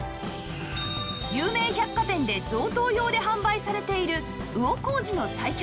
有名百貨店で贈答用で販売されている魚小路の西京